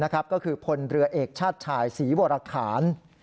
ก็คือพลเรือเอกชาติชายศรีวรคาร